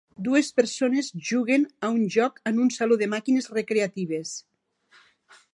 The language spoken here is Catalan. Dues persones juguen a un joc en un saló de màquines recreatives.